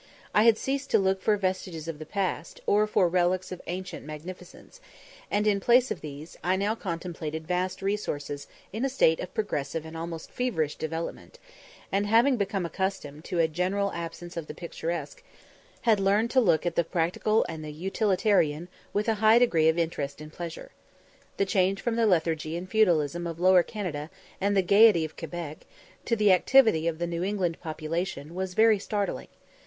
I had ceased to look for vestiges of the past, or for relics of ancient magnificence, and, in place of these, I now contemplated vast resources in a state of progressive and almost feverish development, and, having become accustomed to a general absence of the picturesque, had learned to look at the practical and the utilitarian with a high degree of interest and pleasure. The change from the lethargy and feudalism of Lower Canada and the gaiety of Quebec, to the activity of the New England population, was very startling.